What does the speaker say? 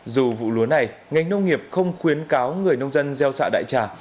dù vụ lúa này ngành nông nghiệp không khuyến cáo người nông dân gieo xạ đại trà